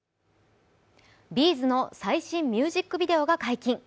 ’ｚの最新ミュージックビデオが解禁。